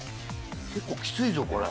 結構きついぞこれ。